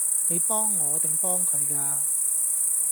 你幫我定幫佢㗎？